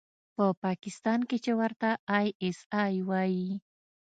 په پاکستان کښې چې ورته آى اس آى وايي.